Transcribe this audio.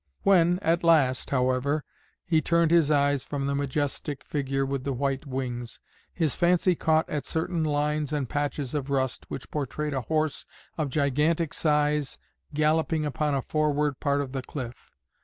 When, at last, however, he turned his eyes from the majestic figure with the white wings, his fancy caught at certain lines and patches of rust which portrayed a horse of gigantic size galloping upon a forward part of the cliff.